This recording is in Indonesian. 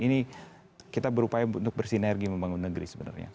ini kita berupaya untuk bersinergi membangun negeri sebenarnya